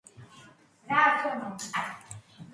მთიელებმა აქ ლომისის წმინდა გიორგის სახელობის ნიშიც ააგეს.